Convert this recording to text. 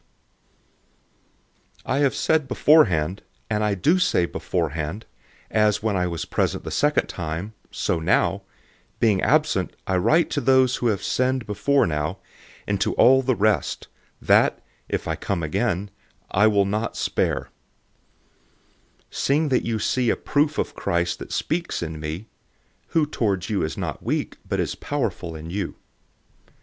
"{Deuteronomy 19:15} 013:002 I have said beforehand, and I do say beforehand, as when I was present the second time, so now, being absent, I write to those who have sinned before now, and to all the rest, that, if I come again, I will not spare; 013:003 seeing that you seek a proof of Christ who speaks in me; who toward you is not weak, but is powerful in you.